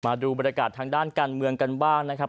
มาดูบรรยากาศทางด้านการเมืองกันบ้างนะครับ